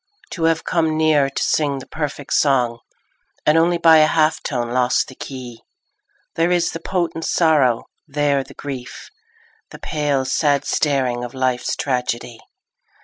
To have come near to sing the perfect song And only by a half tone lost the key, There is the potent sorrow, there the grief, The pale, sad staring of life's tragedy.